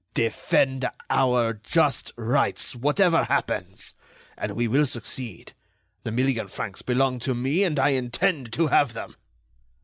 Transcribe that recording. "Defend our just rights, whatever happens! And we will succeed. The million francs belong to me, and I intend to have them."